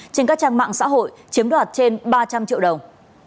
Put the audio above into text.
trên các trang mạng xã hội chiếm đoạt trên ba trăm linh triệu đồng